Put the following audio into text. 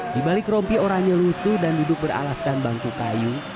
di balik rompi oranye lusuh dan duduk beralaskan bangku kayu